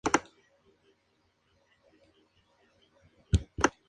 El cual transita por Av.